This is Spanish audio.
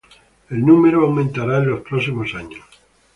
El número aumentará en los próximos años.